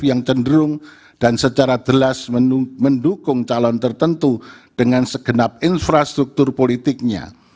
yang cenderung dan secara jelas mendukung calon tertentu dengan segenap infrastruktur politiknya